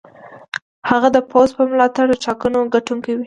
هغه د پوځ په ملاتړ د ټاکنو ګټونکی شو.